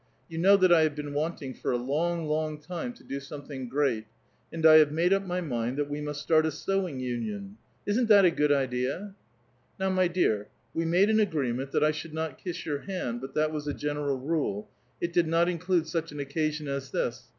You know that I have been wanting for a long, long time to do something great ; and I have made up my mind that we must start a sewing union. Isn't that a good idea?" Now, my dear, we made an agreement that I should not kiss your hand, but that was a general rule ; it did not include such an occasion as this.